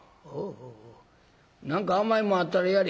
何か甘いもんあったらやれ。